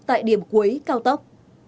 tại điểm cuối cao tốc